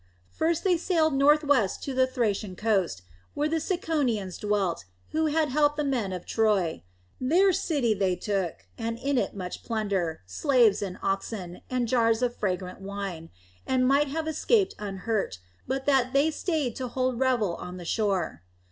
First they sailed northwest to the Thracian coast, where the Ciconians dwelt, who had helped the men of Troy. Their city they took, and in it much plunder, slaves and oxen, and jars of fragrant wine, and might have escaped unhurt, but that they stayed to hold revel on the shore.